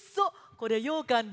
これようかんですか？